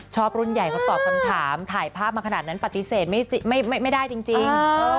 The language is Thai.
ชอบรุ่นใหญ่เขาตอบคำถามถ่ายภาพมาขนาดนั้นปฏิเสธไม่ได้จริง